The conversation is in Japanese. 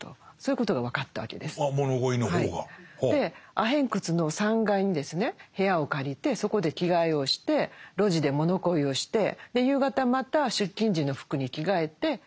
アヘン窟の３階にですね部屋を借りてそこで着替えをして路地で物乞いをして夕方また出勤時の服に着替えて帰宅と。